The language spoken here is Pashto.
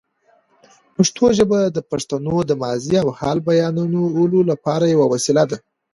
پښتو ژبه د پښتنو د ماضي او حال بیانولو لپاره یوه وسیله ده.